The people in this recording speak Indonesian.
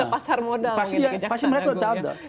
pasar modal pasti mereka contoh